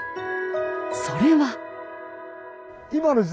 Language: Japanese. それは。